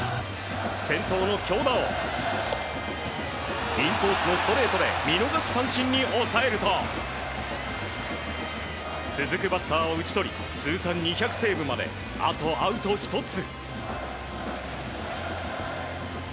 先頭の京田をインコースのストレートで見逃し三振に抑えると続くバッターを打ち取り通算２００セーブまであとアウト１つ。